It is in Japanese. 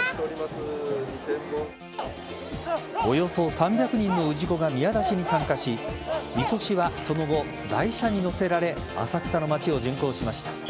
およそ３００人の氏子が宮出しに参加しみこしはその後、台車に載せられ浅草の町を巡行しました。